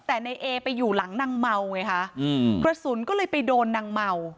แต่ในเอไปอยู่หลังนางเมาไงคะอืมกระสุนก็เลยไปโดนนางเมา